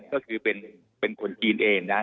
ก็คือเป็นคนจีนเองนะ